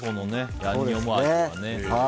ヤンニョム味がね。